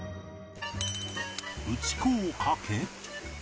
打ち粉をかけ